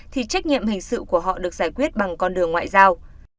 thì trách nhiệm hình sự của họ được giải quyết bằng con đường ngoại giao